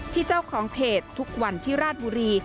เจ้าของเพจทุกวันที่ราชบุรี